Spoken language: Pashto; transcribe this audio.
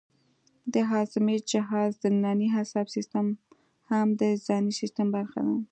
د هاضمې جهاز دنننی عصبي سیستم هم د ځانی سیستم برخه ده